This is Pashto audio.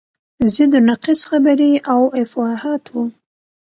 ضد و نقیض خبرې او افواهات وو.